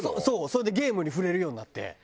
それでゲームに触れるようになって。